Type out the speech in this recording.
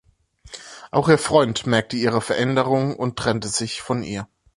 Auch ihr Freund merkt ihre Veränderung und trennt sich von ihr.